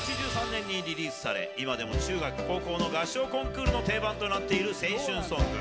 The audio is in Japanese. １９８３年にリリースされ、今でも中学、高校の合唱コンクールの定番となっている青春ソング。